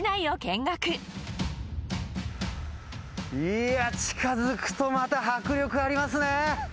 いや、近づくと、また迫力ありますね。